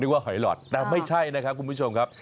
หอยหลอดแต่ไม่ใช่นะครับคุณผู้ชมครับ